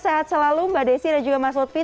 sehat selalu mbak desy dan juga mas utfi